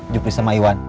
jupri sama iwan